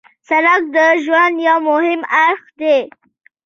سړک د ژوند یو مهم اړخ دی.